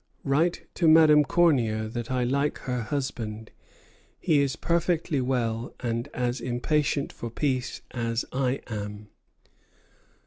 Write to Madame Cornier that I like her husband; he is perfectly well, and as impatient for peace as I am.